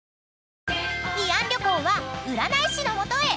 ［慰安旅行は占い師の元へ］